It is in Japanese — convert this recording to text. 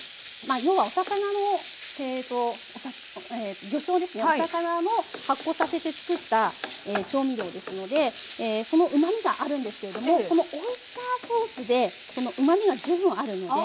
お魚の発酵させて造った調味料ですのでそのうまみがあるんですけれどもこのオイスターソースでそのうまみが十分あるので。